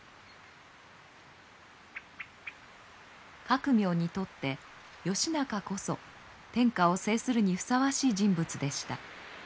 覚明にとって義仲こそ天下を制するにふさわしい人物でした。